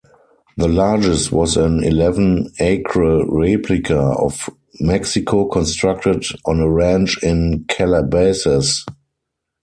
The largest was an eleven-acre replica of Mexico constructed on a ranch in Calabasas.